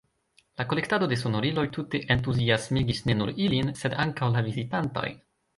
La kolektado de sonoriloj tute entuziasmigis ne nur ilin, sed ankaŭ la vizitantojn.